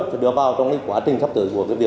để đưa vào trong quá trình sắp tới của cái việc